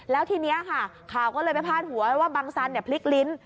แล้วทีนี้ค่ะข่าวก็เลยไปพาดหัวว่าบังสันพลิกลิ้น